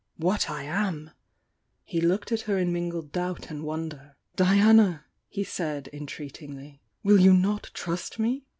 — ^what I am!" He looked at her in mingled doubt and won der. "Diana!" he said, entreatingly— "Will you not trust me?"